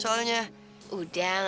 hay mitar dan